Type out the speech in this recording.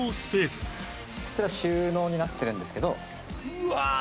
こちら収納になってるんですけど。